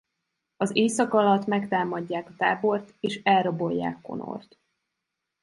Az éjszaka alatt megtámadják a tábort és elrabolják Connort.